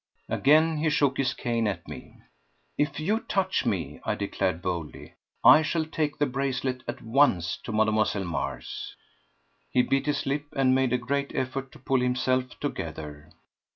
Again he shook his cane at me. "If you touch me," I declared boldly, "I shall take the bracelet at once to Mlle. Mars." He bit his lip and made a great effort to pull himself together.